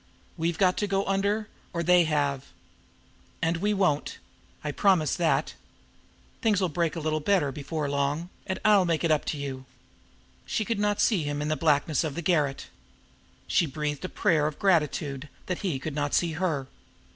We've got to go under or they have. And we won't! I promise you that! Things'll break a little better before long, and I'll make it up to you." She could not see him in the blackness of the garret. She breathed a prayer of gratitude that he could not see her.